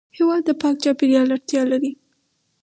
هېواد د پاک چاپېریال اړتیا لري.